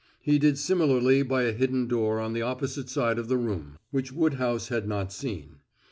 He did similarly by a hidden door on the opposite side of the room, which Woodhouse had not seen.